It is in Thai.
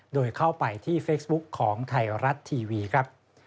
โดยเข้าไปที่เฟซบุ๊คของไทยรัฐทีวีครับ